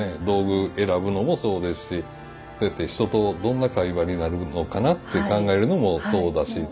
道具選ぶのもそうですしそうやって人とどんな会話になるのかなって考えるのもそうだし。